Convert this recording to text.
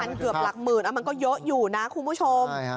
มันเกือบหลักหมื่นมันก็เยอะอยู่นะคุณผู้ชม